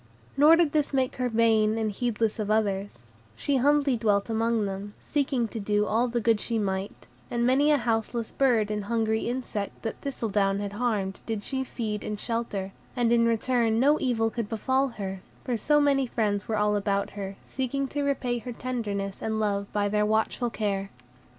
Nor did this make her vain and heedless of others; she humbly dwelt among them, seeking to do all the good she might; and many a houseless bird and hungry insect that Thistledown had harmed did she feed and shelter, and in return no evil could befall her, for so many friends were all about her, seeking to repay her tenderness and love by their watchful care.